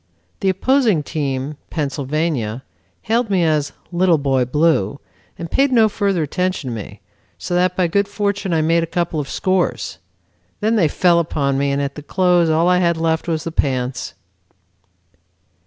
The opposing team, Pennsylvania, hailed me as 'Little Boy Blue,' and paid no further attention to me, so that by good fortune I made a couple of scores. Then they fell upon me, and at the close all I had left was the pants."